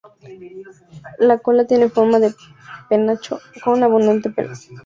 La cola tiene forma de penacho, con abundante pelo.